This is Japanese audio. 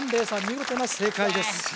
見事な正解です